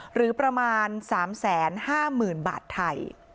หรือประมาณสามแสนห้าหมื่นบาทไทย